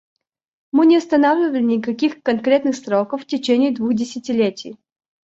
Мы не устанавливали никаких конкретных сроков в течение двух десятилетий.